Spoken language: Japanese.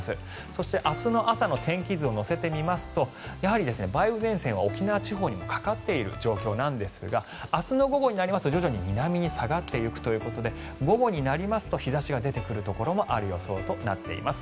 そして、明日の朝の天気図を乗せてみますと梅雨前線は沖縄地方にもかかっている状況なんですが明日の午後になりますと徐々に南に下がっていくということで午後になりますと日差しが出てくるところもある予想となっています。